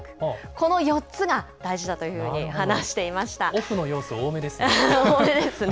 この４つが大事だというふうに話オフの要素多めですね。